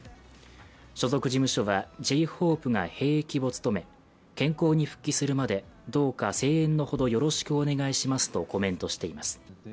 所属事務所はＪ−ＨＯＰＥが兵役を務め健康に復帰するまでどうか声援のほどよろしくお願いしますとコメントしています。